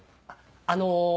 あの。